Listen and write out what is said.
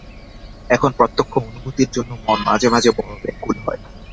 এখন প্রত্যক্ষ অনুভূতির জন্য মন মাঝে মাঝে বড় ব্যাকুল হয়।